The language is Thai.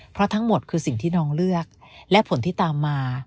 เพราะทั้งหมดคือสิ่งที่น้องเลือกและผลที่ตามมา